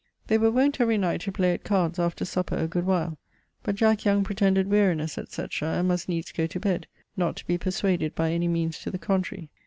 They were wont every night to play at cards after supper a good while; but Jack Young pretended wearinesse, etc. and must needes goe to bed, not to be perswaded by any meanes to the contrary.